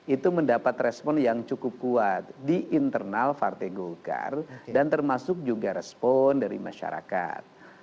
itu mendapat respon yang cukup kuat di internal partai golkar dan termasuk juga respon dari masyarakat